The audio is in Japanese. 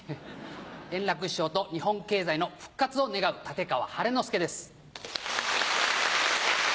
円楽師匠と日本経済の復活を願う立川晴の輔です。